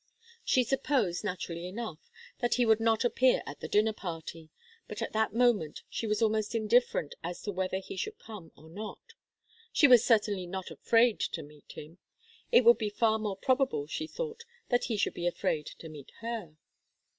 She supposed, naturally enough, that he would not appear at the dinner party, but at that moment she was almost indifferent as to whether he should come or not. She was certainly not afraid to meet him. It would be far more probable, she thought, that he should be afraid to meet her.